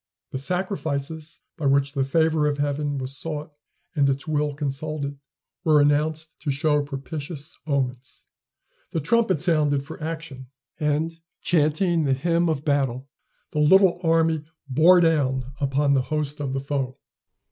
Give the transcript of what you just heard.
The sacrifices by which the favor of heaven was sought, and its will consulted, were announced to show propitious omens. The trumpet sounded for action, and, chanting the hymn of battle, the little army bore down upon the host of the foe.